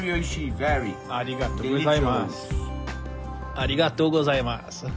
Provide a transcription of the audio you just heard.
ありがとうございます。